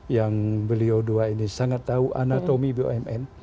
yang beliau dua ini sangat tahu anatomi bumn